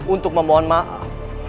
untuk memohon maaf